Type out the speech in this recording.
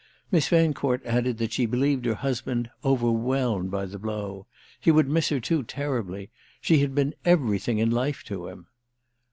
Miss Fancourt added that she believed her husband overwhelmed by the blow; he would miss her too terribly—she had been everything in life to him.